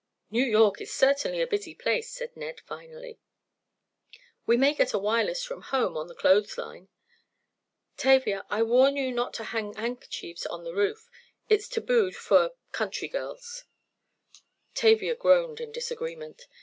"New York is certainly a busy place," said Ned, finally. "We may get a wireless from home on the clothes line. Tavia, I warn you not to hang handkerchiefs on the roof. It's tabooed, for—country girls." Tavia groaned in disagreement.